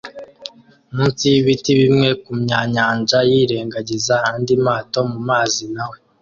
munsi yibiti bimwe kumyanyanja yirengagiza andi mato mumazi na we